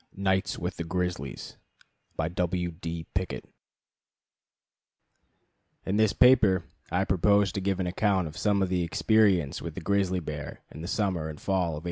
_ Nights with the Grizzlies In this paper I propose to give an account of some experience with the grizzly bear in the summer and fall of 1885.